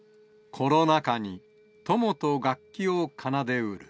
コロナ禍に友と楽器を奏でうる。